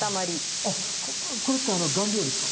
あこれって顔料ですか？